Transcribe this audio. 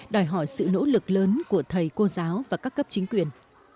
đòi hỏi sự nỗ lực lớn của thầy cô giáo và các cấp chính quyền